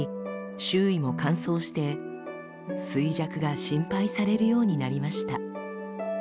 周囲も乾燥して衰弱が心配されるようになりました。